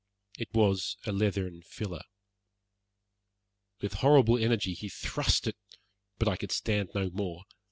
It was a leathern filler. With horrible energy he thrust it but I could stand no more.